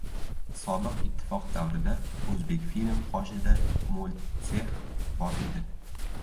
Sobiq ittifoq davrida “O‘zbekfilm” qoshida “Multtsex” bor edi.